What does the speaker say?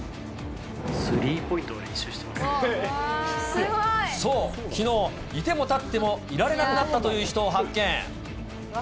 スリーポイントの練習してまそう、きのう、いてもたってもいられなくなったという人を発見。